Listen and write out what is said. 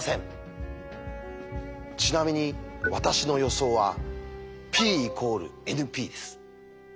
ちなみに私の予想はＰ＝ＮＰです。